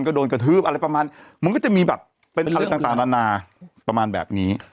ก็โดนกระทืบอะไรประมาณมันก็จะมีแบบเป็นอะไรต่างนานาประมาณแบบนี้